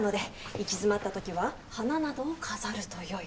行き詰まったときは花などを飾ると良い。